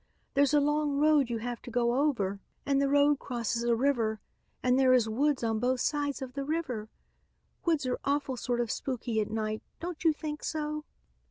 There's a long road you have to go over and the road crosses a river and there is woods on both sides of the river. Woods are awful sort of spooky at night, don't you think so?"